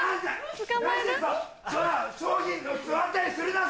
商品の座ったりするな！